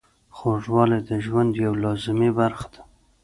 خوږوالی د ژوند یوه لازمي برخه ده.